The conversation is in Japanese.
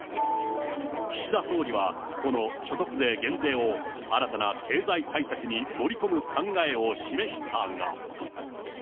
岸田総理は、この所得税減税を新たな経済対策に盛り込む考えを示したが。